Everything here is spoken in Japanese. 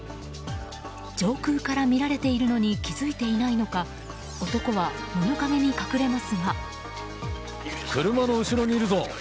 上空から見られているのに気づいていないのか男は物陰に隠れますが。